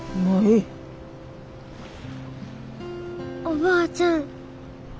おばあちゃん